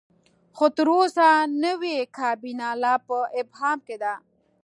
خو تر اوسه نوې کابینه لا په ابهام کې ده.